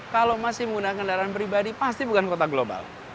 kalau masih menggunakan kendaraan pribadi pasti bukan kota global